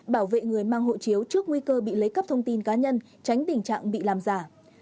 bảo vệ người mang hộ chiếu trước nguy cơ bị lấy cắp thông tin cá nhân tránh tình trạng bị làm giả